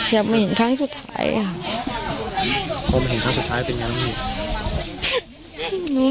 อยากมาเห็นครั้งสุดท้ายค่ะพอมาเห็นครั้งสุดท้ายเป็นไงบ้าง